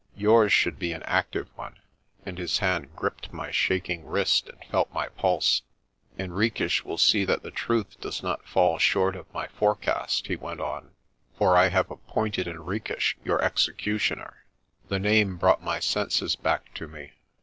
Yours should be an active one," and his hand gripped my shaking wrist and felt my pulse. "Henriques will see that the truth does not fall short of my forecast," he went on. "For I have appointed Henriques your executioner." The name brought my senses back to me.